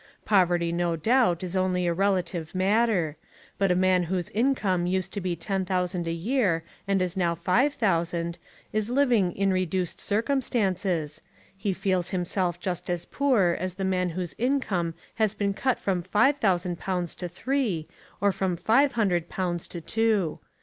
Poverty no doubt is only a relative matter: but a man whose income used to be 10,000 a year and is now 5,000, is living in "reduced circumstances": he feels himself just as poor as the man whose income has been cut from five thousand pounds to three, or from five hundred pounds to two.